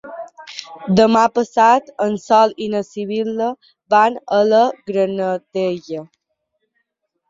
Demà passat en Sol i na Sibil·la van a la Granadella.